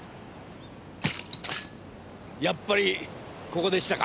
やっぱりここでしたか。